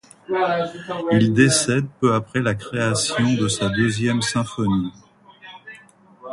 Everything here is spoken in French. Il décède peu après la création de sa deuxième symphonie.